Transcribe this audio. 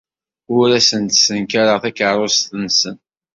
Ur asen-d-ssenkareɣ takeṛṛust-nsen.